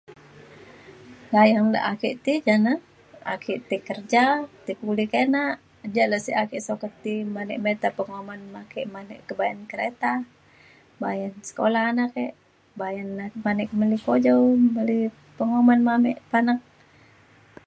Gayeng de ake ti ja na ake ti kerja ti [unintelligible] kinak ja le sek ake sukat ti men e mita penguman ma ake kebayan kereta bayan sekula anak e bayan man e beli kujau beli penguman ame panak